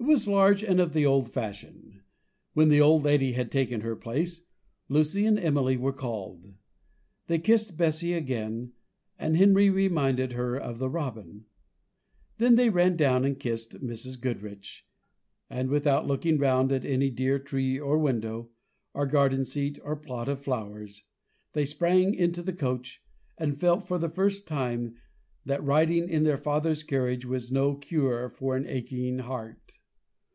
It was large and of the old fashion. When the old lady had taken her place, Lucy and Emily were called: they kissed Bessy again, and Henry reminded her of the robin. Then they ran down and kissed Mrs. Goodriche, and without looking round at any dear tree or window, or garden seat or plot of flowers, they sprang into the coach, and felt for the first time that riding in their father's carriage was no cure for an aching heart.